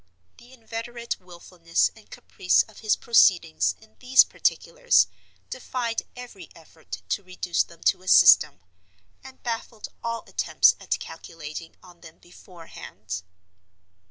The inveterate willfulness and caprice of his proceedings in these particulars defied every effort to reduce them to a system, and baffled all attempts at calculating on them beforehand.